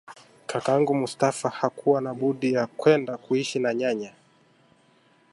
Kakangu Mustafa hakuwa na budi ya kwenda kuishi na nyanya